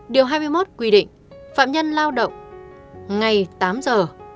điều hai mươi một quy định phạm nhân lao động ngày tám giờ